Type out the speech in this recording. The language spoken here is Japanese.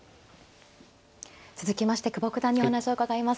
続きまして久保九段にお話を伺います。